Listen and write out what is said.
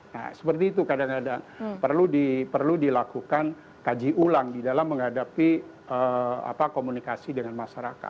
nah seperti itu kadang kadang perlu dilakukan kaji ulang di dalam menghadapi komunikasi dengan masyarakat